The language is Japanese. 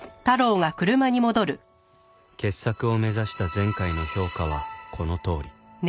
傑作を目指した前回の評価はこのとおり